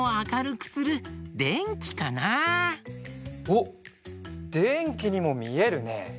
おっでんきにもみえるね。